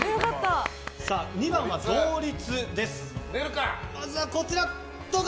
２番は同率です。